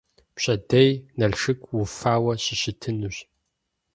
Пщэдей Налшык уфауэ щыщытынущ.